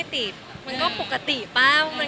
ไม่ติดคือไม่ติดถ้าจะเป็นแฟน